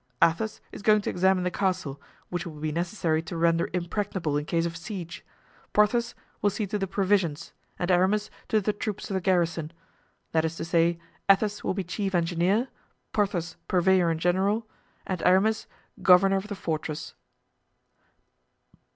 Athos is going to examine the castle, which it will be necessary to render impregnable in case of siege; Porthos will see to the provisions and Aramis to the troops of the garrison. That is to say, Athos will be chief engineer, Porthos purveyor in general, and Aramis governor of the fortress."